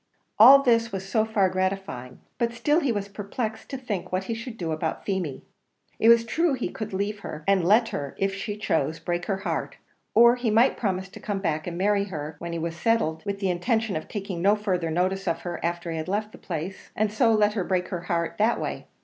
All this was so far gratifying, but still he was perplexed to think what he should do about Feemy. It was true he could leave her, and let her, if she chose, break her heart; or he might promise to come back and marry her, when he was settled, with the intention of taking no further notice of her after he had left the place; and so let her break her heart that way.